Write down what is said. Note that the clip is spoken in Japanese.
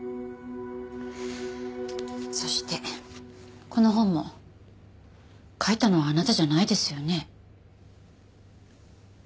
そしてこの本も書いたのはあなたじゃないですよね？